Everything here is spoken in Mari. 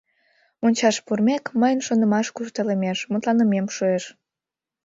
Мончаш пурымек, мыйын шонымаш куштылемеш, мутланымем шуэш.